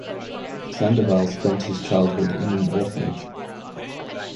Sandoval spent his childhood in an orphanage.